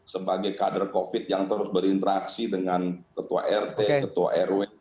sebagai kader covid yang terus berinteraksi dengan ketua rt ketua rw